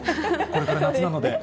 これから夏なので。